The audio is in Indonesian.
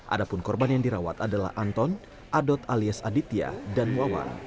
adapun korban yang dirawat adalah anton adot alias aditya dan wawan